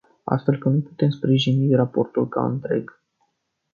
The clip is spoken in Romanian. Astfel că nu putem sprijini raportul ca întreg.